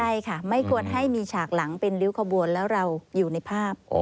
ใช่ค่ะไม่ควรให้มีฉากหลังเป็นริ้วขบวนแล้วเราอยู่ในภาพ